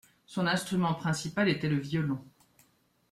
Son instrument principal était le violon.